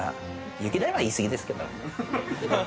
雪だるまは言い過ぎですけど。